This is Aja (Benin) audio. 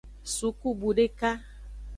Sukubu deka.